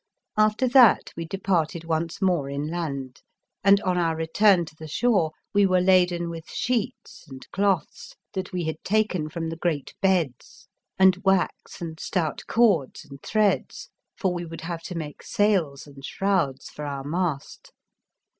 After that we departed once more inland, and on our return to the shore we were laden with sheets and cloths that we had taken from the great beds, and wax and stout cords and threads, for we would have to make sails and shrouds for our mast.